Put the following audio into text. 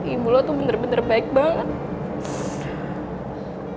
ibu lo tuh bener bener baik banget